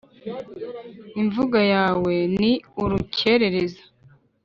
Imvugo yawe ni urukerereza